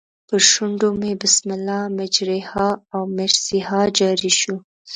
پر شونډو مې بسم الله مجریها و مرسیها جاري شو.